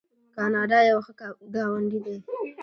کاناډا یو ښه ګاونډی دی.